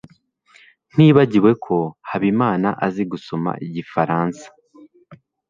Nibagiwe ko Habimana azi gusoma igifaransa.